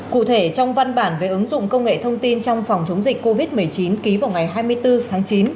cụ thể trong văn bản về ứng dụng công nghệ thông tin trong phòng chống dịch covid một mươi chín ký vào ngày hai mươi bốn tháng chín